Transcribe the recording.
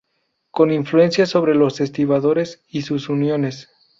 Con influencia sobre los estibadores y sus uniones.